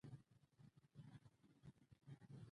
له ځان سره مې وویل: که الوتکه د ورځې له خوا.